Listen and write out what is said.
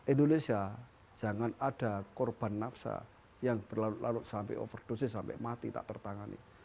indonesia jangan ada korban nafsa yang berlarut larut sampai overdosis sampai mati tak tertangani